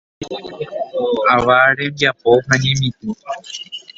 Ava rembiapo ha ñemitỹ.